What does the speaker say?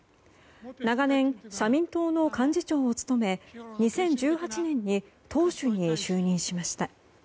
長年、社民党の幹事長を務め２０１８年に党首に就任しました。